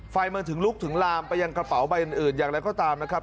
ไฟมันถึงลุกถึงลามไปยังกระเป๋าใบอื่นอย่างไรก็ตามนะครับ